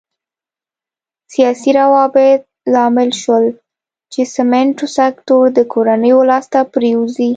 سیاسي روابط لامل شول چې سمنټو سکتور د کورنیو لاس ته پرېوځي.